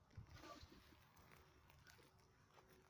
后任法国驻伦敦大使。